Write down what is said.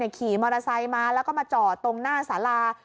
ขี่มอเตอร์ไซค์มาแล้วก็มาจอดตรงหน้าสารา